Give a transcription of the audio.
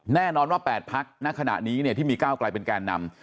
แน่นอนว่า๘พักณขณะนี้ที่มีก้าวกลายเป็นแกนนำ